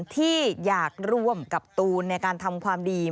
ที่อยากร่วมกับตูนในการทำความดี